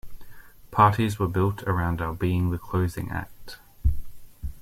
Parties were built around our being the closing act.